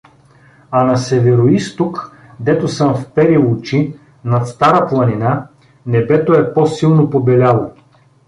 А на североизток, дето съм вперил очи, над Стара планина, небето е по-силно побеляло.